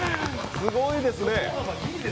すごいですね。